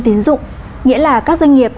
tín dụng nghĩa là các doanh nghiệp